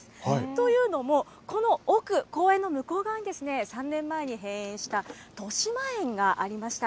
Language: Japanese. というのも、この奥、公園の向こう側に３年前に閉園したとしまえんがありました。